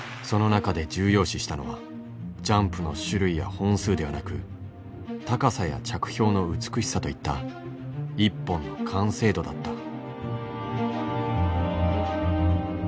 その中で重要視したのはジャンプの種類や本数ではなく高さや着氷の美しさといった一本の完成度だった。